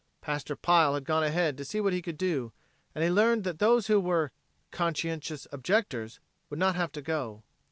Pastor Pile had gone ahead to see what he could do, and he learned that those who were "conscientious objectors" would not have to go.